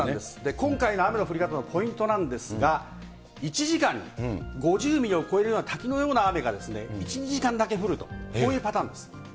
今回の雨の降り方のポイントなんですが、１時間に５０ミリを超えるような滝のような雨が、１、２時間だけ集中的にまた。